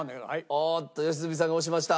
おっと良純さんが押しました。